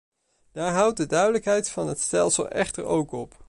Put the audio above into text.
Daar houdt de duidelijkheid van het stelsel echter ook op.